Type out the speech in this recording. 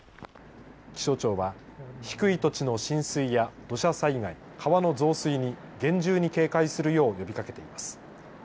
気象庁は、低い土地の浸水や土砂災害、川の増水に厳重に警戒するよう呼びかけています。